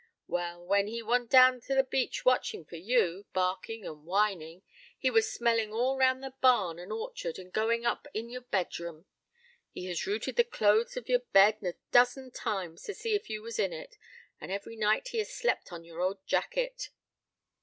"Well, when he wan't down on the beach watching for you, barking and whining, he was smelling all round the barn and orchard, and going up in your bedroom: he has rooted the clothes of your bed a dozen times, to see if you was in it; and every night he has slept on your old jacket."